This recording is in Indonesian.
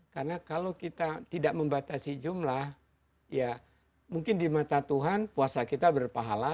karena kalau kita tidak membatasi jumlah ya mungkin di mata tuhan puasa kita berpahala